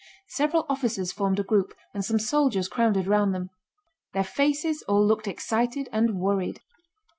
Several officers formed a group and some soldiers crowded round them. Their faces all looked excited and worried.